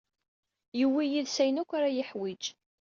Yiwi yid-s ayen akk ara yiḥwiǧ.